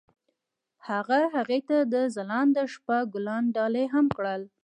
هغه هغې ته د ځلانده شپه ګلان ډالۍ هم کړل.